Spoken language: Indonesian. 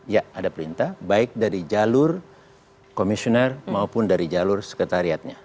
ya ada perintah baik dari jalur komisioner maupun dari jalur sekretariatnya